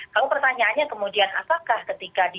kalau pertanyaannya kemudian apakah ketika di